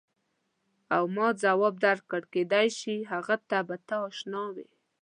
او ما ځواب درکړ کېدای شي هغې ته به ته اشنا وې.